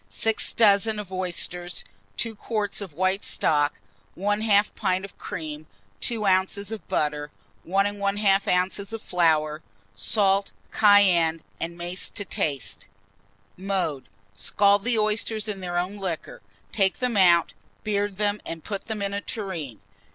6 dozen of oysters, 2 quarts of white stock, 1/2 pint of cream, 2 oz. of butter, 1 1/2 oz. of flour; salt, cayenne, and mace to taste. Mode. Scald the oysters in their own liquor; take them out, beard them, and put them in a tureen.